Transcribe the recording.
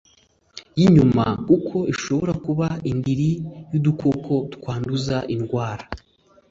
y’ inyuma kuko ishobora kuba indiri y’udukoko twanduza indwara.